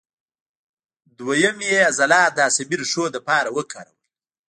دوهیم یې عضلات د عصبي ریښو لپاره وکارول.